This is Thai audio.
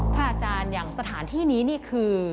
อาจารย์อย่างสถานที่นี้นี่คือ